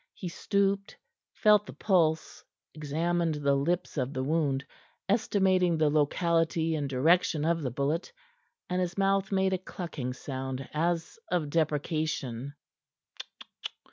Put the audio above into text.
He stooped, felt the pulse, examined the lips of the wound, estimating the locality and direction of the bullet, and his mouth made a clucking sound as of deprecation.